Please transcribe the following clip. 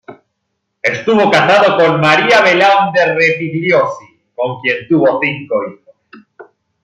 Estuvo casado con María Belaúnde Rospigliosi, con quien tuvo cinco hijos.